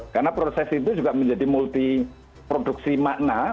karena proses itu juga menjadi multi produksi makna